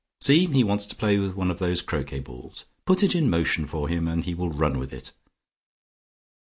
See, he wants to play with one of those croquet balls. Put it in motion for him, and he will run with it.